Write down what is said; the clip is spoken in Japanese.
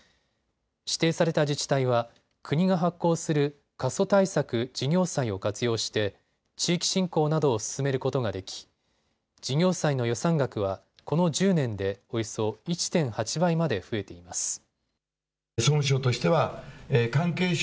指定された自治体は国が発行する過疎対策事業債を活用して地域振興などを進めることができ事業債の予算額はこの１０年でおよそ１．８倍まで増えています。